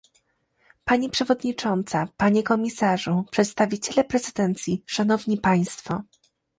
Pani przewodnicząca, panie komisarzu, przedstawiciele prezydencji, szanowni państwo